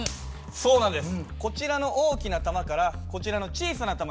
そうなんです！